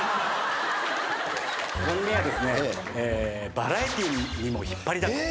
バラエティーにも引っ張りだこ。